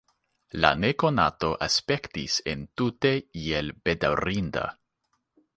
La nekonato aspektis entute iel bedaŭrinda.